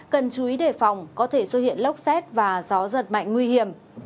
cần chú ý đề phòng có thể xuất hiện lốc xét và gió giật mạnh nguy hiểm